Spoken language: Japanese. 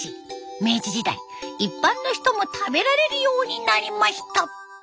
明治時代一般の人も食べられるようになりました。